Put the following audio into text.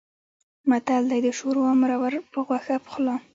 متل دی: د شوروا مرور په غوښه پخلا.